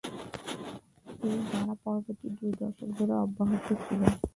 এই ধারা পরবর্তী দুই দশক ধরে অব্যাহত ছিল।